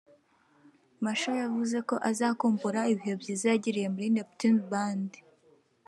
Masha yavuze ko azakumbura ibihe byiza yagiriye muri Neptunez Band